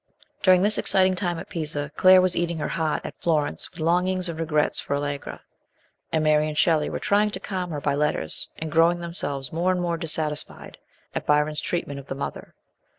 During this exciting time at Pisa, Claire was eating her heart at Florence with longings and regrets for Allegra; and Mary and Shelley were trying to calm her by letters, and growing themselves more and more dissatisfied at Byron's treatment of the mother.